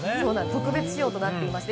特別仕様となっています。